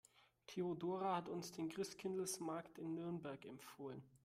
Theodora hat uns den Christkindlesmarkt in Nürnberg empfohlen.